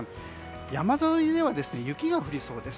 山沿いでは雪が降りそうです。